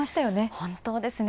本当ですね。